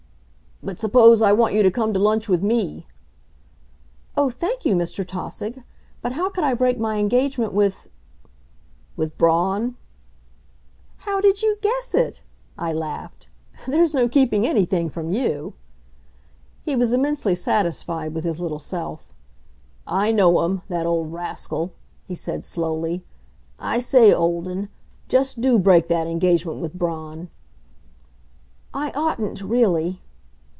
"But suppose I want you to come to lunch with me?" "Oh, thank you, Mr. Tausig. But how could I break my engagement with " "With Braun?" "How did you guess it?" I laughed. "There's no keeping anything from you." He was immensely satisfied with his little self. "I know him that old rascal," he said slowly. "I say, Olden, just do break that engagement with Braun." "I oughtn't really."